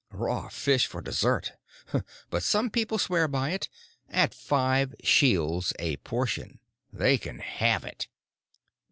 Raw fish for dessert! But some people swear by it—at five shields a portion. They can have it."